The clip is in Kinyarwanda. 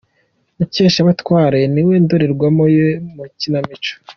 Mukeshabatware niwe ndorerwamo ye mu ikinamico.